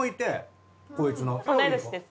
こいつの。